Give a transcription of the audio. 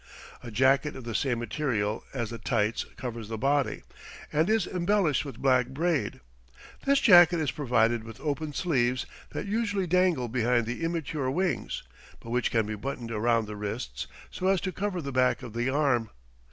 A jacket of the same material as the tights covers the body, and is embellished with black braid; this jacket is provided with open sleeves that usually dangle behind like immature wings, but which can be buttoned around the wrists so as to cover the back of the arm.